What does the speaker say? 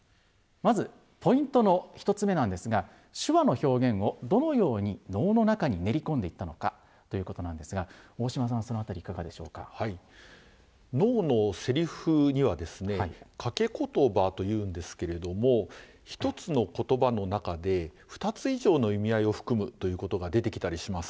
まず、ポイントの１つ目なんですが、手話の表現をどのように能の中に練り込んでいったのかということなんですが、大島さんは、そのあたり、能のせりふには、掛詞というんですけれども、１つのことばの中で２つ以上に意味合いを含むということが出てきたりします。